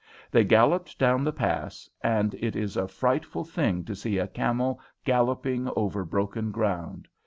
They galloped down the pass, and it is a frightful thing to see a camel galloping over broken ground.